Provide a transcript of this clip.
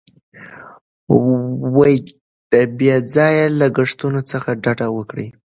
د بې ځایه لګښتونو څخه ډډه وکړئ.